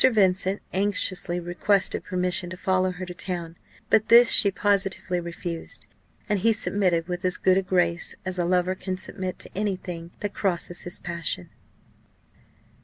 Vincent anxiously requested permission to follow her to town: but this she positively refused; and he submitted with as good a grace as a lover can submit to any thing that crosses his passion.